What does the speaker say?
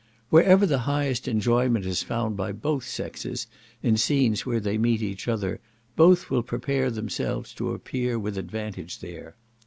Wherever the highest enjoyment is found by both sexes in scenes where they meet each other, both will prepare themselves to appear with advantage there.